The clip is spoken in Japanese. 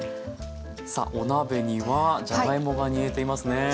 さあお鍋にはじゃがいもが煮えていますね。